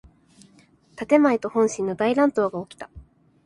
建前と本心の大乱闘がおきた。